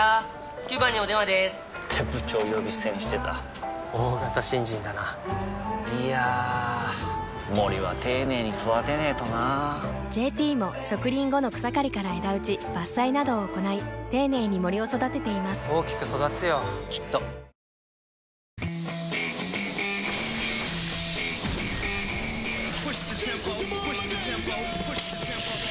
９番にお電話でーす！って部長呼び捨てにしてた大型新人だないやー森は丁寧に育てないとな「ＪＴ」も植林後の草刈りから枝打ち伐採などを行い丁寧に森を育てています大きく育つよきっとプシューッ！